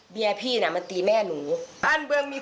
เพราะว่าเขาคงจะเส้นใหญ่มั้งเพราะว่า